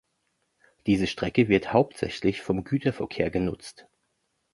Diese Strecke wird hauptsächlich vom Güterverkehr genutzt.